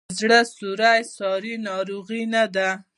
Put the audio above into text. د زړه سوری ساري ناروغي نه ده.